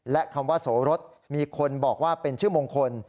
และคำว่าโสรสมีคนบอกว่าเป็นชื่อมงคล